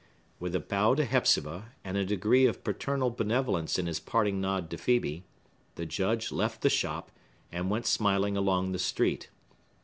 With a bow to Hepzibah, and a degree of paternal benevolence in his parting nod to Phœbe, the Judge left the shop, and went smiling along the street.